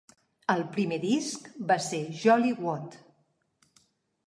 El primer disc va ser Jolly What!